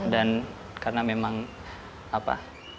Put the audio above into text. dan karena memang apa